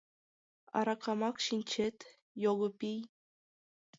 Аракамак шинчет, його пий!..